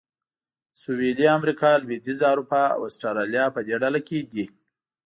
سویلي امریکا، لوېدیځه اروپا او اسټرالیا په دې ډله کې دي.